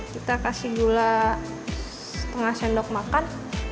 kita kasih gula setengah sendok makan